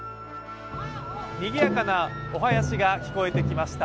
にぎやかなお囃子が聞こえてきました。